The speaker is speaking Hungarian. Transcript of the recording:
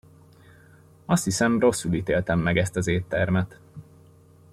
Azt hiszem, rosszul ítéltem meg ezt az éttermet.